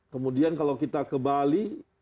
kemudian kalau kita ke bali